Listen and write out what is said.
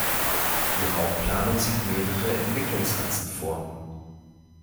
Die Raumplanung sieht mehrere Entwicklungsachsen vor.